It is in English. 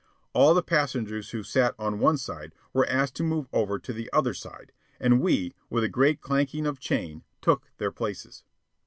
All the passengers who sat on one side were asked to move over to the other side, and we, with a great clanking of chain, took their places.